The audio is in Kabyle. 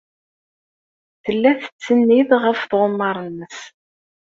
Tella tettsennid ɣef tɣemmar-nnes.